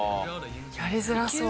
やりづらそう。